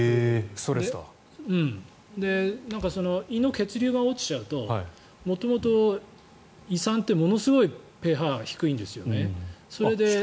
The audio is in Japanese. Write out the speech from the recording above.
胃の血流が落ちちゃうと元々、胃酸ってものすごいｐＨ低いんですよね。